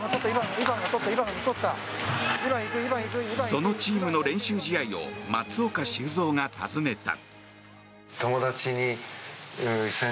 そのチームの練習試合を松岡修造が訪ねた。